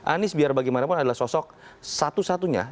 anies biar bagaimanapun adalah sosok satu satunya